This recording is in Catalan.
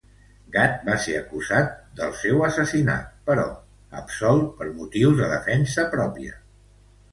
Gatto va ser acusat del seu assassinat però absolt per motius de defensa pròpia.